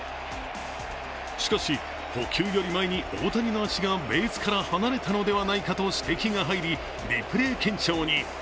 しかし、補給より前に大谷の足がベースから離れたのではないかと指摘が入り、リプレー検証に。